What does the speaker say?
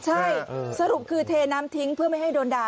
ใช่สรุปคือเทน้ำทิ้งเพื่อไม่ให้โดนด่า